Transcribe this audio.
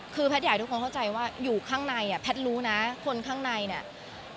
คือแพทย์อยากให้ทุกคนเข้าใจว่าอยู่ข้างในอ่ะแพทย์รู้นะคนข้างในเนี่ย